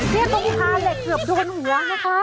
เรียกซุดตาแลกเกือบโดนหัวนะคะ